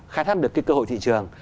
khai thác được cơ hội thị trường